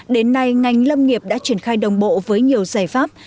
đến nay ngành lâm nghiệp đã triển khai đồng bộ với nhiều giải pháp